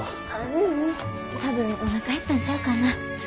ううん多分おなか減ったんちゃうかな。